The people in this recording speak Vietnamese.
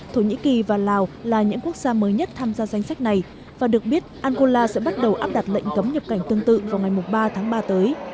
thổ nhĩ kỳ và lào là những quốc gia mới nhất tham gia danh sách này và được biết angola sẽ bắt đầu áp đặt lệnh cấm nhập cảnh tương tự vào ngày ba tháng ba tới